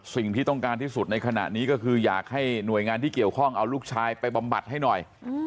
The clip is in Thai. สิ่งที่ต้องการที่สุดในขณะนี้ก็คืออยากให้หน่วยงานที่เกี่ยวข้องเอาลูกชายไปบำบัดให้หน่อย